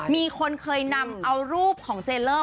มีคนเคยนำเอารูปของเจลเลอร์